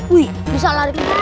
wih bisa lari